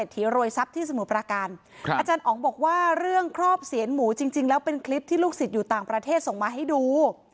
ทีโรยทรัพย์ที่สมุทรปราการอาจารย์อ๋องบอกว่าเรื่องครอบเซียนหมูจริงแล้วเป็นคลิปที่ลูกศิษย์อยู่ต่างประเทศส่งมาให้ดู